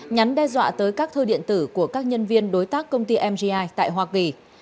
nhắn đe dọa tới các thư điện tử của các nhân viên đối tác công ty mgi tại hoa kỳ